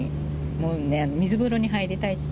もうね、水風呂に入りたい。